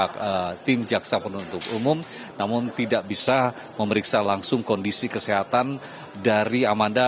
dua kali usaha dilakukan oleh pihak tim jaksa penuntut umum namun tidak bisa memeriksa langsung kondisi kesehatan dari amanda